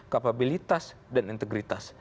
kapabilitas dan integritas